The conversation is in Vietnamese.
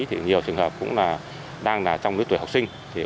nhiều trường hợp cũng đang là trong nữ tuổi học sinh